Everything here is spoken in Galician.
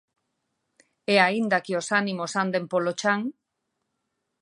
E aínda que os ánimos anden polo chan...